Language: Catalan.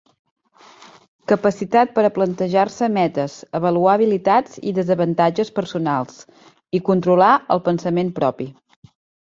Capacitat per a plantejar-se metes, avaluar habilitats i desavantatges personals, i controlar el pensament propi.